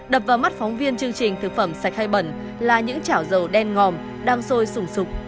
đập vào mắt phóng viên chương trình thực phẩm sạch hay bẩn là những chảo dầu đen ngòm đang sôi sùng sụp